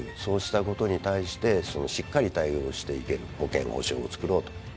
そうしたことに対してしっかり対応していける保険保障を作ろうと。